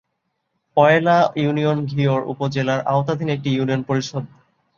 পয়লা union Ghior উপজেলার আওতাধীন একটি ইউনিয়ন পরিষদ।